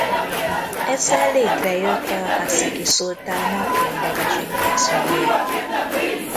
Ezzel létrejött a haszeki szultána tényleges intézménye.